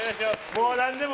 もう何でも。